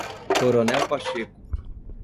Coronel Pacheco